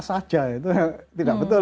saja tidak betul